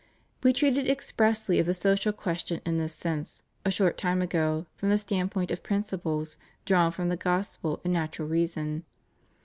We treated expressly of the social ques tion in this sense a short time ago, from the standpoint of principles drawn from the Gospel and natural reason.